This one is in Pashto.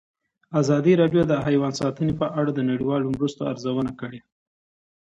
ازادي راډیو د حیوان ساتنه په اړه د نړیوالو مرستو ارزونه کړې.